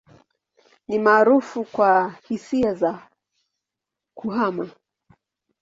Ni maarufu kwa hisia za kuhama.